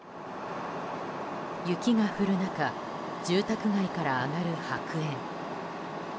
雪が降る中住宅街から上がる白煙。